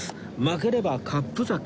負ければカップ酒